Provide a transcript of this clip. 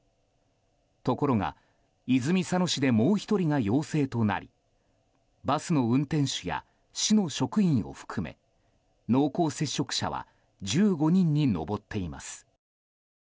ところが、泉佐野市でもう１人が陽性となりバスの運転手や市の職員を含め濃厚接触者は１５人に上っています。